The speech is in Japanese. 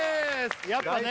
やっぱね